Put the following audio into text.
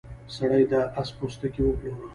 سړي د اس پوستکی وپلوره.